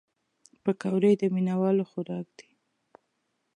پکورې د مینهوالو خوراک دی